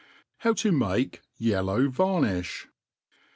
* How to make 'bellow Vamijh.